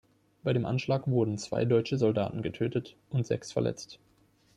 Bei dem Anschlag wurden zwei deutsche Soldaten getötet und sechs verletzt.